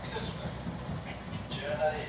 کارپوهان به د بې عدالتۍ مخنیوی کوي.